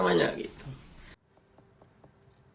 beberapa kata kata yang saya ingin mengatakan